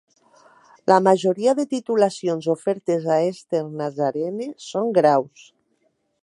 La majoria de titulacions ofertes a Eastern Nazarene són graus.